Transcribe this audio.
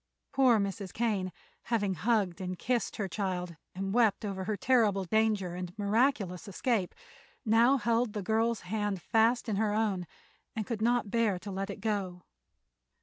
Poor Mrs. Kane, having hugged and kissed her child and wept over her terrible danger and miraculous escape, now held the girl's hand fast in her own and could not bear to let it go.